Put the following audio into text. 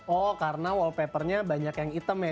oh karena wallpapernya banyak yang hitam ya